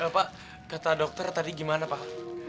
bapak kata dokter tadi gimana pak